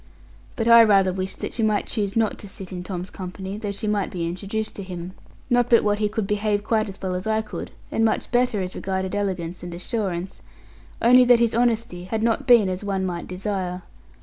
But I rather wished that she might choose not to sit in Tom's company, though she might be introduced to him. Not but what he could behave quite as well as could, and much better, as regarded elegance and assurance, only that his honesty had not been as one might desire.